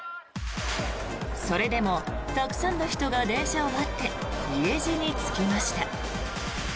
それでもたくさんの人が電車を待って家路に就きました。